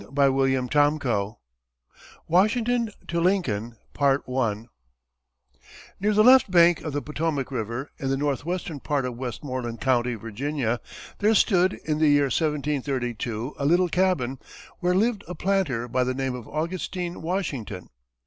CHAPTER III WASHINGTON TO LINCOLN Near the left bank of the Potomac river, in the northwestern part of Westmoreland county, Virginia, there stood, in the year 1732, a little cabin, where lived a planter by the name of Augustine Washington.